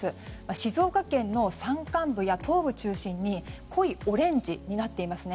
静岡県の山間部や、東部を中心に濃いオレンジになっていますね。